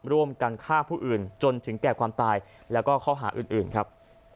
ร่วมกันฆ่าผู้อื่นจนถึงแก่ความตายแล้วก็ข้อหาอื่นครับ